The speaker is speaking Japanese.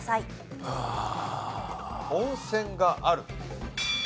温泉がある。